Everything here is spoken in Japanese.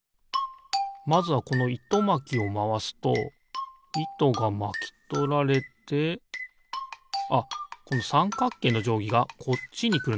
まずはこのいとまきをまわすといとがまきとられてあっこのさんかくけいのじょうぎがこっちにくるのか。